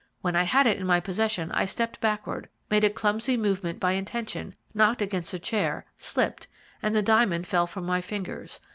When I had it in my possession I stepped backward, made a clumsy movement by intention, knocked against a chair, slipped, and the diamond fell from my fingers.